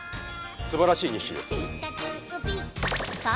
すばらしい２匹です。